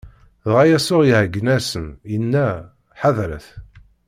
Dɣa Yasuɛ iɛeggen-asen, inna: Ḥadret!